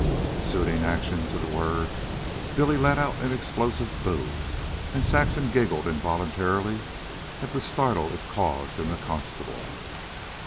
Suiting action to the word, Billy let out an explosive "BOO!" and Saxon giggled involuntarily at the startle it caused in the constable.